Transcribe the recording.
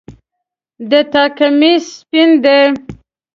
د تا کمیس سپین ده